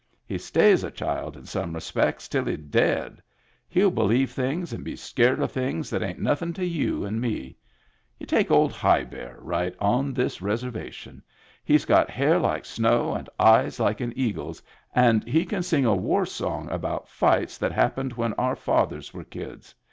He stays a child in some respects till he's dead. He'll believe things and be scared at things that ain't nothin' to you and me. You take Old High Bear right on this reservation. He's got hair like snow and eyes like an eagle's and he can sing a war song about fights that hap pened when our fathers were kids.